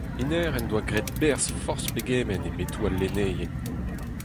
Hennezh en doa graet berzh forzh pegement e metoù al lenneien.